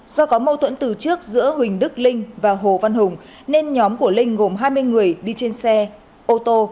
do có mâu thuẫn từ trước giữa huỳnh đức linh và hồ văn hùng nên nhóm của linh gồm hai mươi người đi trên xe ô tô